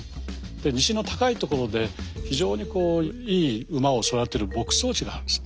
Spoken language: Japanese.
で西の高いところで非常にこういい馬を育てる牧草地があるんです。